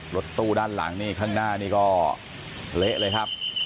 รถตู้ด้านหลังนี่ข้างหน้านี่ก็เละเลยครับ